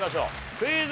クイズ。